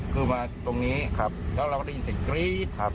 คือมาตรงนี้แล้วเราก็ได้ยินเสียงกรี๊ดครับ